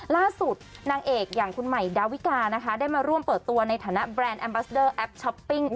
ล่าสุดนางเอกอย่างคุณใหม่ดาวิกานะคะได้มาร่วมเปิดตัวในฐานะแบรนด์แอมบัสเดอร์แอปช้อปปิ้ง